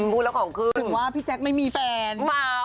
พูดแล้วของขึ้นถึงว่าพี่แจ๊คไม่มีแฟน